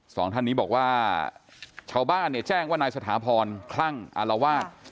สองท่านนี้บอกว่าชาวบ้านเนี่ยแจ้งว่านายสถาพรคลั่งอารวาส